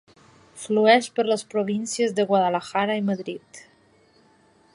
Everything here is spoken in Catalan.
Flueix per les províncies de Guadalajara i Madrid.